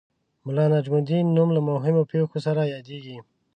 د ملا نجم الدین نوم له مهمو پېښو سره یادیږي.